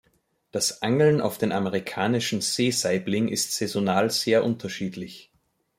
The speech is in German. Das Angeln auf den Amerikanischen Seesaibling ist saisonal sehr unterschiedlich.